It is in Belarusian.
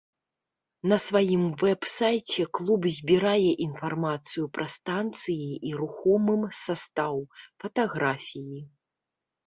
На сваім вэб-сайце клуб збірае інфармацыю пра станцыі і рухомым састаў, фатаграфіі.